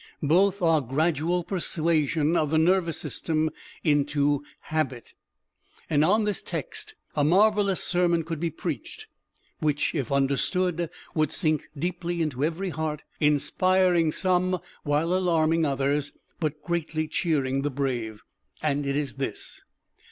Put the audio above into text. Both are gradual persuasion of the nervous system into habit. And on this text a marvelous sermon could be preached, which, if understood, would sink deeply into every heart, inspiring some while alarming others, but greatly cheering the brave. And it is this.